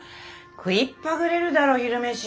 食いっぱぐれるだろ昼飯。